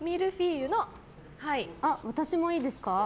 私もいいですか？